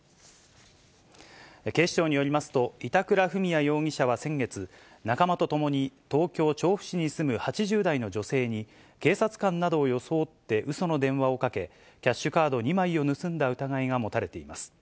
警視庁によりますと、板倉史也容疑者は先月、仲間と共に東京・調布市に住む８０代の女性に、警察官などを装ってうその電話をかけ、キャッシュカード２枚を盗んだ疑いが持たれています。